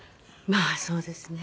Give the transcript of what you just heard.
まあそうですね。